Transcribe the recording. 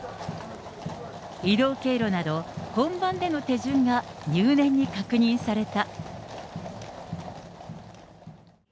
移動経路など本番での手順が入念に確認された。